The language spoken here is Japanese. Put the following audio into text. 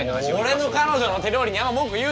俺の彼女の手料理にあんま文句言うなよ！